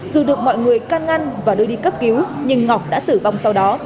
dù được mọi người can ngăn và đưa đi cấp cứu nhưng ngọc đã tử vong sau đó